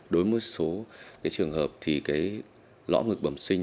đối với số trường hợp thì cái lõng ngực bầm sinh